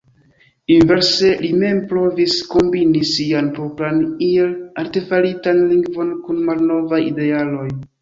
Inverse li mem provis kombini sian propran iel artefaritan lingvon kun malnovaj idealoj.